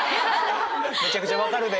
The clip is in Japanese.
めちゃくちゃ分かるで。